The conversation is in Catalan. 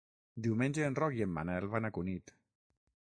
Diumenge en Roc i en Manel van a Cunit.